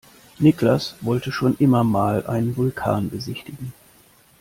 Niklas wollte schon immer mal einen Vulkan besichtigen.